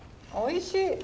おいしい。